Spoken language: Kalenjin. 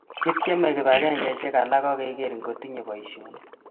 kityeme kibagengeishiek alak akeker ngotinye boisionik